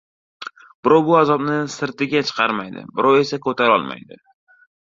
Birov bu azobni sirtiga chiqarmaydi, birov esa ko‘tarolmaydi.